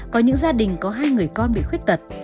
có những gia đình có hai người con bị khuyết tật